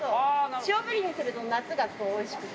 塩ブリにすると、夏がすごいおいしくて。